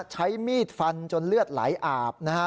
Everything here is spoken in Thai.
ใช้มีดฟันจนเลือดไหลอาบนะฮะ